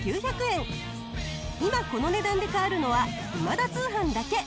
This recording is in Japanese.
今この値段で買えるのは『今田通販』だけ。